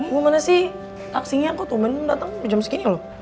gue mana sih taksinya kok tumen dateng jam segini loh